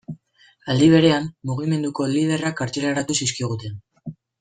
Aldi berean, mugimenduko liderrak kartzelaratu zizkiguten.